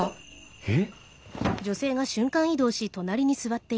えっ？